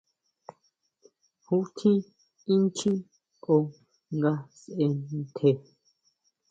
¿Ju tjín inchjín ó nga sʼe ntje?